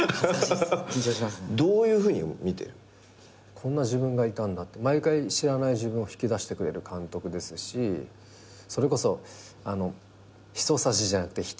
こんな自分がいたんだって毎回知らない自分を引き出してくれる監督ですしそれこそひとさじじゃなくてひとつまみの演出。